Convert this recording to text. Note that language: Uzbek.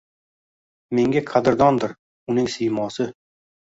Menga qadrdondir uning siymosi